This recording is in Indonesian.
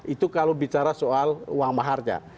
itu kalau bicara soal uang maharnya